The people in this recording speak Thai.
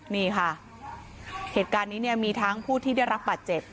นี่ค่ะเหตุการณ์นี้เนี่ยมีทั้งผู้ที่ได้รับบาดเจ็บ